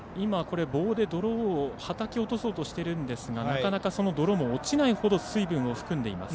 棒で泥を叩き落とそうとしているんですがなかなか、その泥も落ちないほど水分を含んでいます。